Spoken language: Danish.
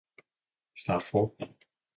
start forfra